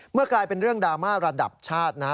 กลายเป็นเรื่องดราม่าระดับชาตินะ